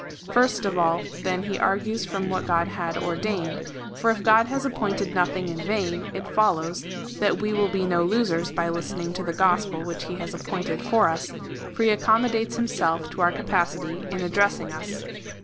First of all then he argues from what Grod had ordained, for if God has appointed nothing in vain, it follows, that we will be no losers by listening to the gospel which he has appointed for us, for he accommodates himself to our capacity in addressing us.